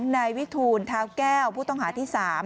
นายวิฒูนธาวแก้วผู้ต้องหาที่๓